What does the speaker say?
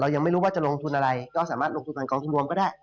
ยังไม่รู้ว่าจะลงทุนอะไรก็สามารถลงทุนทางกองทุนรวมก็ได้